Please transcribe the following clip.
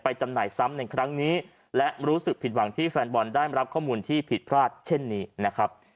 จำหน่ายซ้ำในครั้งนี้และรู้สึกผิดหวังที่แฟนบอลได้รับข้อมูลที่ผิดพลาดเช่นนี้นะครับ